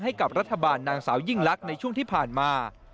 ให้กับรัฐบาลนางสาวยิ่งลักษณ์ในช่วงที่ผ่านมา